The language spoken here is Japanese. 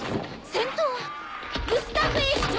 先頭はグスタフ衛士長！